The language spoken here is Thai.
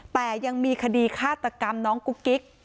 แต่ยังมีคดีฆาตกรรมน้องกุ๊กกิ๊ก